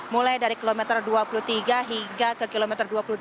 mulai dari kilometer dua puluh tiga hingga ke kilometer dua puluh delapan